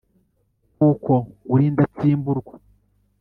kuko uri indatsimburwa